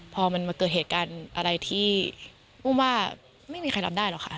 พอมันมาเกิดเหตุการณ์อะไรที่อุ้มว่าไม่มีใครรับได้หรอกค่ะ